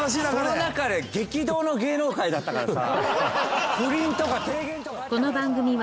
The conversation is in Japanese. その中で激動の芸能界だったからさ。